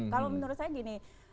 kalau menurut saya gini